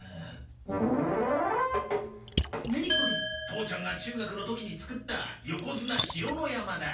父ちゃんが中学の時に作った「横綱ひろノ山」だ。